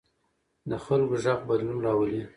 د خلکو غږ بدلون راولي